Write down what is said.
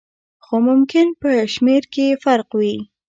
خو ممکن په شمېر کې یې فرق وي.